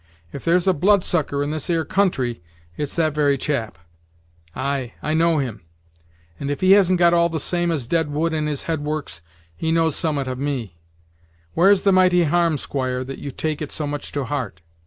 If there's a bloodsucker in this 'ere county, it's that very chap. Ay! I know him! and if he hasn't got all the same as dead wood in his headworks, he knows summat of me. Where's the mighty harm, squire, that you take it so much to heart?